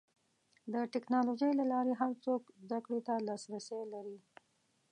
د ټکنالوجۍ له لارې هر څوک زدهکړې ته لاسرسی لري.